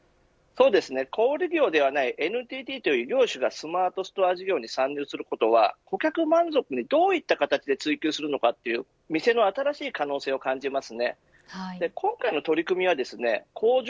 小売り業ではないＮＴＴという異業種がスマートストア事業に参入することは顧客満足にどういった形で追求するのか店の新しい可能性を感じます。